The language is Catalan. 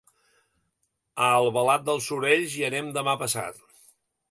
A Albalat dels Sorells hi anem demà passat.